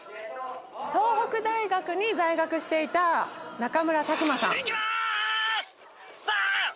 東北大学に在学していた中村拓磨さん。